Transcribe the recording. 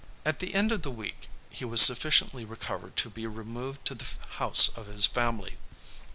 At the end of a week he was sufficiently recovered to be removed to the house of his family.